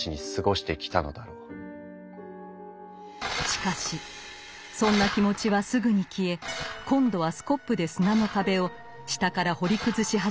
しかしそんな気持ちはすぐに消え今度はスコップで砂の壁を下から掘り崩し始めます。